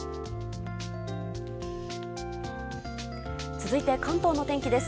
続いて、関東の天気です。